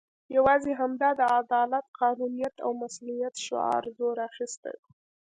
یوازې همدا د عدالت، قانونیت او مصونیت شعار زور اخستی وو.